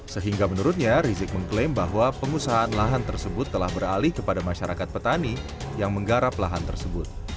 sehingga menurutnya rizik mengklaim bahwa pengusahaan lahan tersebut telah beralih kepada masyarakat petani yang menggarap lahan tersebut